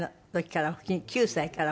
９歳から？